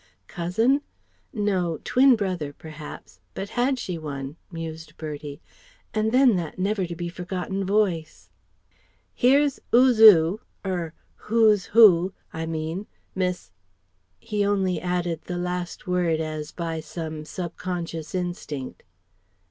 "Cousin? No! Twin brother, perhaps; but had she one?..." mused Bertie... and then, that never to be forgotten voice ... "Here's 'Oo's Oo er Hoo's Hoo, I mean.... Miss..." He only added the last word as by some sub conscious instinct.